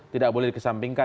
tidak boleh dikesampingkan